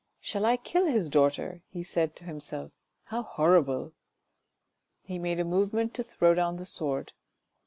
" Shall I kill his daughter ?" he said to himself, " how horrible." He made a movement to throw down the sword.